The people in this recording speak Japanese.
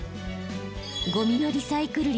ゴミのリサイクル率